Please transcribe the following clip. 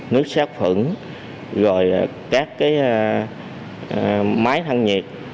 nước xác phẩm rồi các cái máy thăng nhiệt